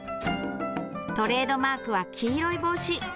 トレードマークは黄色い帽子。